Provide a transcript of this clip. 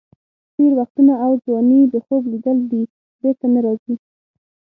تېر وختونه او ځواني د خوب لیدل دي، بېرته نه راځي.